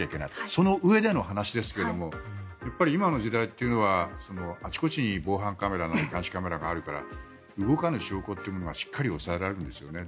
そのうえでの話ですけれどもやっぱり今の時代というのはあちこちに防犯カメラや監視カメラがあるから動かぬ証拠ってものがしっかり押さえられるんですね。